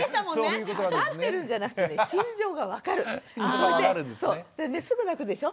それですぐ泣くでしょ。